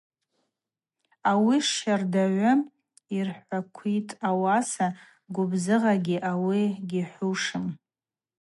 Ауи щардагӏвы йырхӏваквитӏ, ауаса гвыбзыгъакӏгьи ауи гьихӏвушым.